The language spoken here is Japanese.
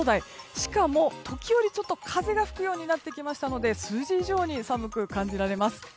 しかも、時折ちょっと風が吹くようになってきましたので数字以上に寒く感じられます。